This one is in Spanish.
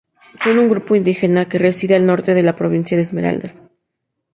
Son un grupo indígena que reside al norte de la provincia de Esmeraldas.